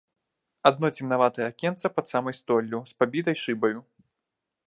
Адно цемнаватае акенца, пад самай столлю, з пабітай шыбаю.